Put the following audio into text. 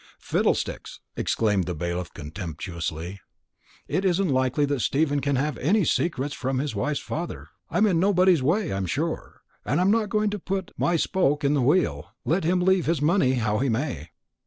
"Fiddlesticks!" exclaimed the bailiff contemptuously. "It isn't likely that Stephen can have any secrets from his wife's father. I'm in nobody's way, I'm sure, and I'm not going to put my spoke in the wheel, let him leave his money how he may."